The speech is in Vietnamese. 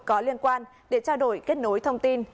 có liên quan để trao đổi kết nối thông tin